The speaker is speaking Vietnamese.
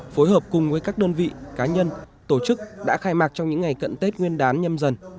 phối hợp cùng với các đơn vị cá nhân tổ chức đã khai mạc trong những ngày cận tết nguyên đán nhâm dần